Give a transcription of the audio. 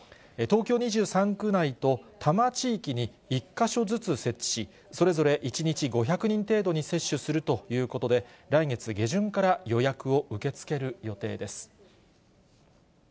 東京２３区内と、多摩地域に１か所ずつ設置し、それぞれ１日５００人程度に接種するということで、来月下旬から予約を受け付ける予定です。